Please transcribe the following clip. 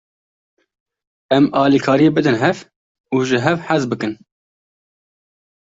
Em alîkariyê bidin hev û ji hev hez bikin.